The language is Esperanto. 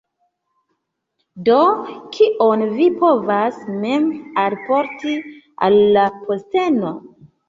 Do kion vi povas mem alporti al la posteno?